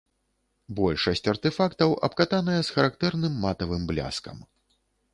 Большасць артэфактаў абкатаная, з характэрным матавым бляскам.